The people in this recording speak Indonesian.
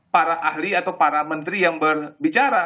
para ahli atau para menteri yang berbicara